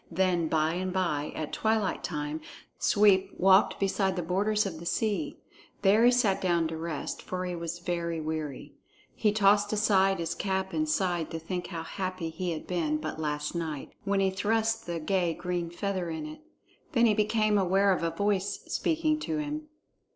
Then by and by, at twilight time, Sweep walked beside the borders of the sea. There he sat down to rest, for he was very weary. He tossed aside his cap and sighed to think how happy he had been but last night, when he thrust the gay green feather in it. Then he became aware of a voice speaking to him.